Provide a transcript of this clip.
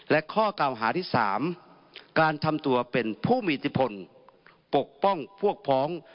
และข้อเก่าหาที่๓การทำตัวเป็นผู้มีอิทธิพลปกป้องพวกพ้อง